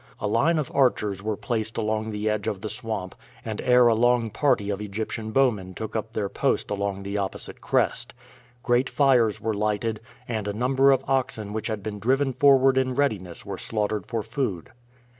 A line of archers were placed along the edge of the swamp, and ere long a party of Egyptian bowmen took up their post along the opposite crest. Great fires were lighted, and a number of oxen which had been driven forward in readiness were slaughtered for food.